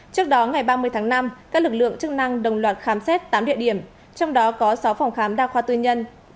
trước đó ngày ba mươi tháng năm các lực lượng chức năng đồng loạt khám xét tám địa điểm trong đó có sáu phòng khám đa khoa tư nhân